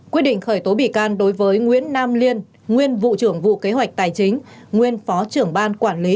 quyết định khởi tố bị can đối với nguyễn nam liên nguyên vụ trưởng vụ kế hoạch tài chính nguyên phó trưởng ban quản lý